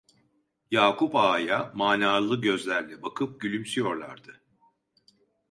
Yakup Ağa'ya manalı gözlerle bakıp gülümsüyorlardı.